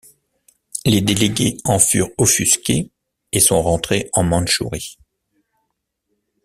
Les délégués en furent offusqués et sont rentrés en Mandchourie.